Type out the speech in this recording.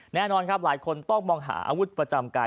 แน่นอนครับหลายคนต้องมองหาอาวุธประจำกาย